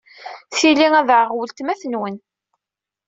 Tili ad aɣeɣ weltma-twent.